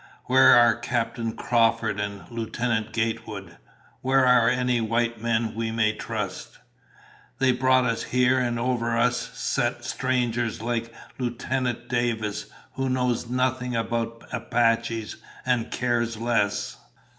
Where are Captain Crawford and Lieutenant Gatewood? Where are any white men we may trust? They brought us here and over us set strangers like Lieutenant Davis, who knows nothing about Apaches and cares less."